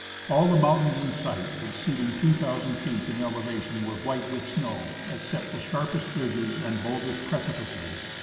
All the mountains in sight exceeding 2,000 feet in elevation Avere white with snow, except the sharpest ridges and boldest preci pices.